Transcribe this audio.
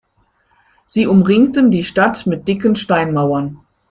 Sie umringten die Stadt mit dicken Steinmauern.